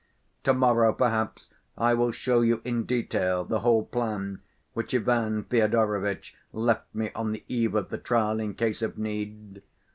To‐morrow perhaps I will show you in detail the whole plan which Ivan Fyodorovitch left me on the eve of the trial in case of need....